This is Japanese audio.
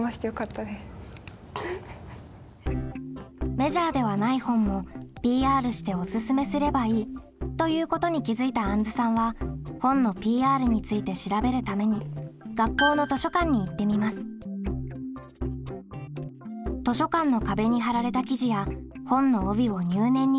「メジャーではない本もＰＲしておすすめすればいい」ということに気づいたあんずさんは本のＰＲについて調べるために学校の図書館の壁に貼られた記事や本の帯を入念にチェックするあんずさん。